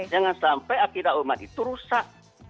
jangan sampai akidah umat itu rusak